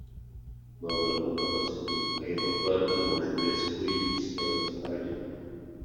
Má velkou kapacitu a jeho tvar umožňuje spojení s tělem zbraně.